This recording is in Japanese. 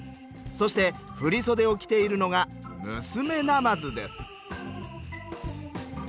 そして振り袖を着ているのが娘なまずです。